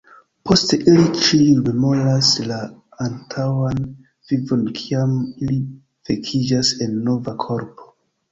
Poste ili ĉiuj memoras la antaŭan vivon kiam ili vekiĝas en nova korpo.